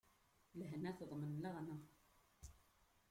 Lehna teḍmen leɣna.